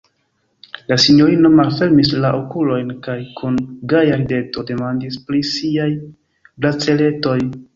La sinjorino malfermis la okulojn kaj kun gaja rideto demandis pri siaj braceletoj.